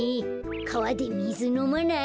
かわでみずのまない？